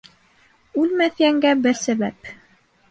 Үлмәҫ йәнгә бер сәбәп.